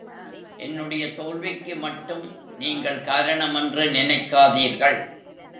என்னுடைய தோல்விக்கு மட்டும் நீங்கள் காரணமென்று நினைக்காதீர்கள்.